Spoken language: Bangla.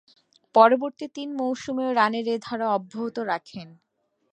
পরবর্তী তিন মৌসুমেও রানের এ ধারা অব্যাহত রাখেন।